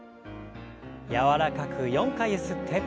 柔らかく４回ゆすって。